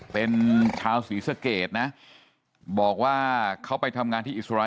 เป็นชาวสีเสื้อเกดนะบอกว่าเขาไปทำงานที่นี่นะฮะ